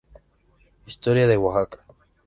Historia de Oaxaca.